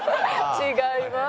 違います。